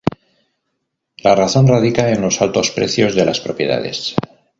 La razón radica en los altos precios de las propiedades.